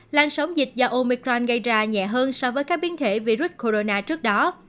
lan sóng dịch do omicron gây ra nhẹ hơn so với các biến thể virus corona trước đó